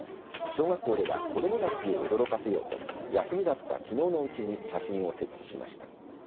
小学校では子どもたちを驚かせようと休みだったきのうのうちに写真を設置しました。